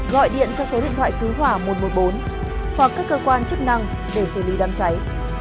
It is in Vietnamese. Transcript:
gọi điện cho số điện thoại cứu hỏa một trăm một mươi bốn hoặc các cơ quan chức năng để xử lý đám cháy